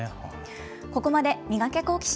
ここまで、ミガケ、好奇心！